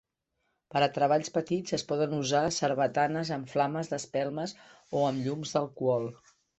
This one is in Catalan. Per a treballs petits, es poden usar sarbatanes amb flames d'espelmes o amb llums d'alcohol.